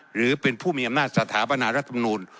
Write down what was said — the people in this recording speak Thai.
หรือเป็นผู้มีอำนาจสถาปนารัฐมนูล